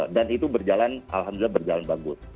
dan itu berjalan alhamdulillah berjalan bagus